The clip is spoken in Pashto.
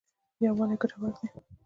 یوالی ګټور دی.